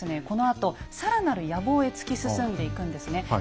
このあとさらなる野望へ突き進んでいくんですね。